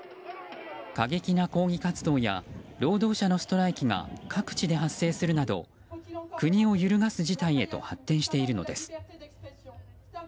過激な抗議活動や労働者のストライキが各地で発生するなど国を揺るがす事態へと発展しているのです。